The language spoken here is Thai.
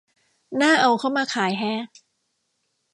น่าเอา เข้ามาขายแฮะ